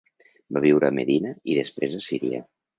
Va viure a Medina i després a Síria.